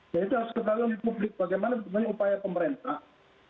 nah itu harus diketahui oleh publik bagaimana upaya pemerintah